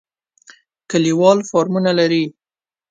کلیوال فارمونه لري.